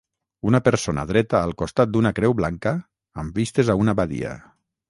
Una persona dreta al costat d'una creu blanca amb vistes a una badia.